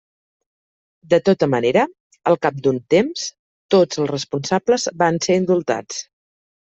De tota manera, al cap d'un temps, tots els responsables van ser indultats.